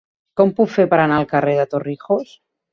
Com ho puc fer per anar al carrer de Torrijos?